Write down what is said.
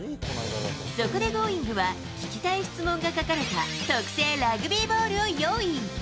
そこでＧｏｉｎｇ！は、聞きたい質問が書かれた特製ラグビーボールを用意。